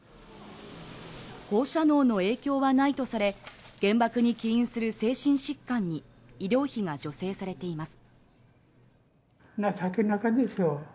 放射能の影響はないとされ原爆に起因する精神疾患に医療費が助成されています